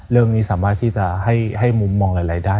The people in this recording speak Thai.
เรื่องนี้สามารถที่จะให้มุมมองหลายด้าน